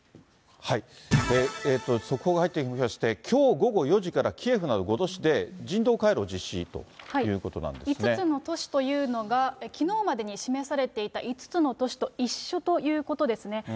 速報が入ってきまして、きょう午後４時からキエフなど５都市で、人道回廊を実施というこ５つの都市というのが、きのうまでに示されていた５つの都市と一緒ということですね。